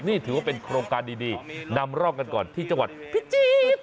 นี่ถือว่าเป็นโครงการดีนำร่องกันก่อนที่จังหวัดพิจิตร